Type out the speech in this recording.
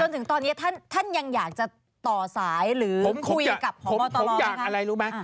จนถึงตอนนี้ท่านยังอยากจะต่อสายหรือคุยกับของมตรรมไหมคะผมอยากอะไรรู้ไหม